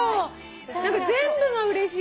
何か全部がうれしいよ。